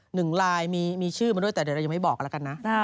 หนึ่งลายมีชื่อมาด้วยแต่เดี๋ยวเรายังไม่บอกกันแล้วกันนะ